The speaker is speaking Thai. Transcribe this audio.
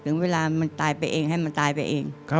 เวลามันตายไปเองให้มันตายไปเอง